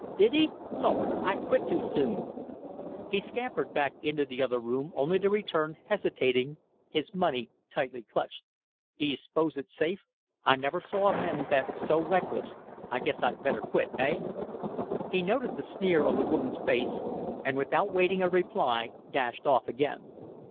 Did he? Lord! I quit too soon!" He scampered back into the other room, only to return, hesitating, his money tightly clutched. "Do you s'pose it's safe? I never saw a man bet so reckless. I guess I'd better quit, eh?" He noted the sneer on the woman's face, and without waiting a reply dashed off again.